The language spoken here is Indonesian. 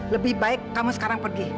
lebih baik kamu sekarang pergi